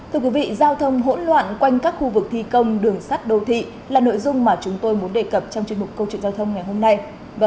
thưa quý vị giao thông hỗn loạn quanh các khu vực thi công đường sắt đô thị là nội dung mà chúng tôi muốn đề cập trong chuyên mục câu chuyện giao thông ngày hôm nay